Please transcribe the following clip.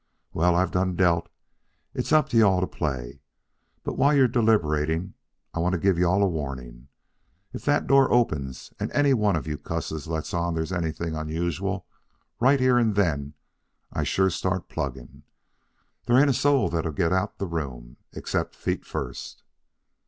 "Well, I've done dealt. It's up to you all to play. But while you're deliberating, I want to give you all a warning: if that door opens and any one of you cusses lets on there's anything unusual, right here and then I sure start plugging. They ain't a soul'll get out the room except feet first."